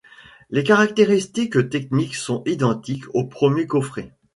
Les caractéristiques techniques sont identiques au premier coffret.